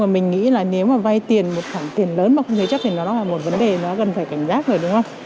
mình nghĩ là nếu mà vay tiền một khoảng tiền lớn mà không dây chất thì nó là một vấn đề nó gần phải cảnh giác rồi đúng không